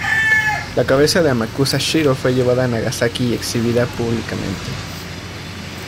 La cabeza de Amakusa Shirō fue llevada a Nagasaki y exhibida públicamente.